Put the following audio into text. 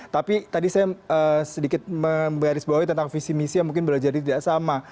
tapi tadi saya sedikit menggarisbawahi tentang visi misi yang mungkin boleh jadi tidak sama